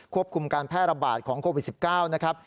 คุมการแพร่ระบาดของโควิด๑๙นะครับ